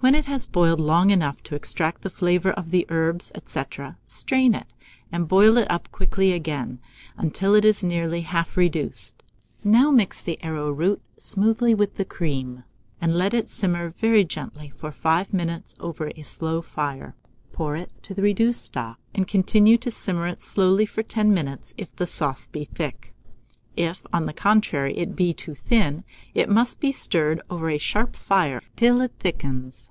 When it has boiled long enough to extract the flavour of the herbs, etc., strain it, and boil it up quickly again, until it is nearly half reduced. Now mix the arrowroot smoothly with the cream, and let it simmer very gently for 5 minutes over a slow fire; pour to it the reduced stock, and continue to simmer slowly for 10 minutes, if the sauce be thick. If, on the contrary, it be too thin, it must be stirred over a sharp fire till it thickens.